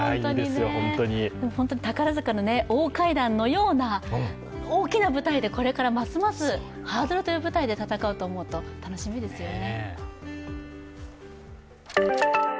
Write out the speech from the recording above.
宝塚の大階段のような大きな舞台でこれからますますハードルという舞台で戦うと思うと楽しみですね。